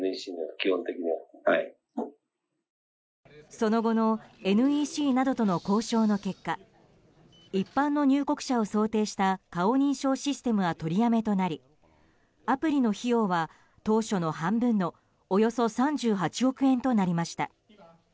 その後のＮＥＣなどとの交渉の結果一般の入国者を想定した顔認証システムは取りやめとなりアプリの費用は当初の半分のおよそ３８億円となりました。